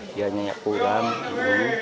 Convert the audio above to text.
biar nyanyi kurang